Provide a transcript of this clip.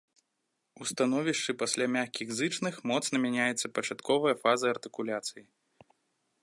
У становішчы пасля мяккіх зычных моцна мяняецца пачатковая фаза артыкуляцыі.